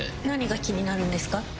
何が気になるんですか？